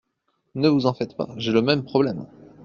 Ne vous en faites pas. J’ai le même problème.